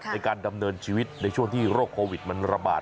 ในการดำเนินชีวิตในช่วงที่โรคโควิดมันระบาด